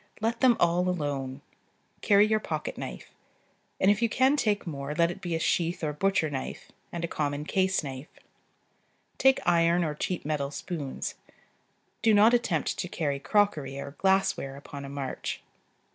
Let them all alone: carry your pocket knife, and if you can take more let it be a sheath or butcher knife and a common case knife. Take iron or cheap metal spoons. Do not attempt to carry crockery or glassware upon a march.